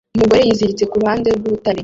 Umugabo yiziritse kuruhande rwurutare